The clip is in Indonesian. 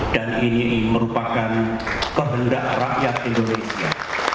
dan ini merupakan kehendak rakyat indonesia